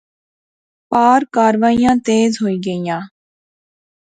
پار کاروائیاں تیز ہوئی گیئاں